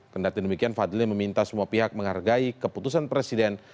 kendati demikian fadli meminta semua pihak menghargai keputusan presiden